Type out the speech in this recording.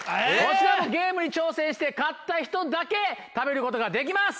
ゲームに挑戦して勝った人だけ食べることができます。